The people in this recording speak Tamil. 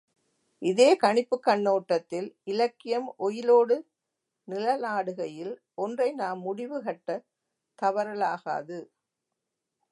இதே கணிப்புக் கண்ணோட்டத்தில் இலக்கியம் ஒயிலோடு நிழலாடுகையில், ஒன்றை நாம் முடிவுகட்டத் தவறலாகாது.